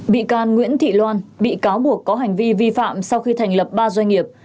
bị can nguyễn thị loan bị cáo buộc có hành vi vi phạm sau khi thành lập ba doanh nghiệp